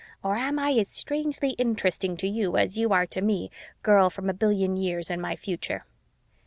Or am I as strangely interesting to you as you are to me, girl from a billion years in my future?"